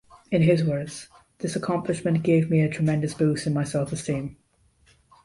In his words: this accomplishment gave me a tremendous boost in my self-esteem.